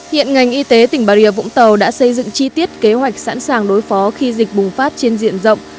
hiện ngành y tế tỉnh bà rịa vũng tàu đã xây dựng chi tiết kế hoạch sẵn sàng đối phó khi dịch bùng phát trên diện rộng